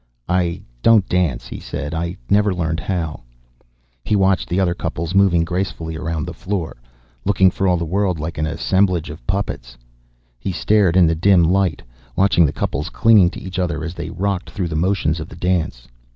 "I don't dance," he said. "I never learned how." He watched the other couples moving gracefully around the floor, looking for all the world like an assemblage of puppets. He stared in the dim light, watching the couples clinging to each other as they rocked through the motions of the dance.